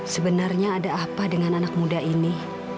sebenarnya ada apa dengan anak muda ini